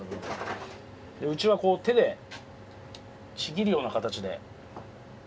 うちはこう手でちぎるような形で。